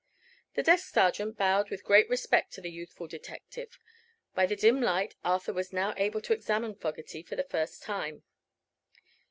The desk sergeant bowed with great respect to the youthful detective. By the dim light Arthur was now able to examine Fogerty for the first time.